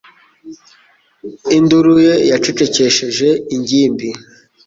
Induru ye yacecekesheje ingimbi.